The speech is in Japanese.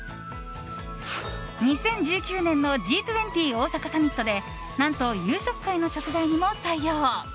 ２０１９年のＧ２０大阪サミットで何と、夕食会の食材にも採用。